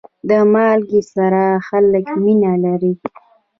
د مالګې سره خلک مینه لري.